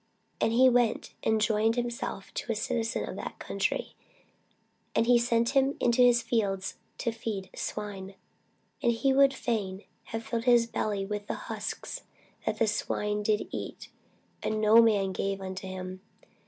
And he went and joined himself to a citizen of that country; and he sent him into his fields to feed swine. And he would fain have filled his belly with the husks that the swine did eat: and no man gave unto him.